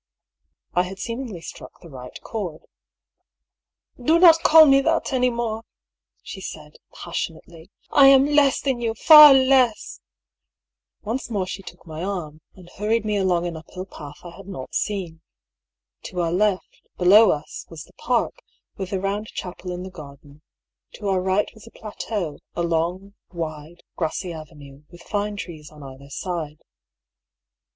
I had seemingly struck the right chord. ^* Do not call me that any more !" she said, passion ately. " I am less than you I Far less !" Once more she took my arm, and harried me along an uphill path I had not seen. To our left, below us, was the park, with the round chapel in the garden ; to our right was a plateau, a long, wide, grassy avenue, with fine trees on either side.